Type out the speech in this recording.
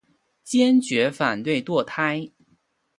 坚决反对堕胎。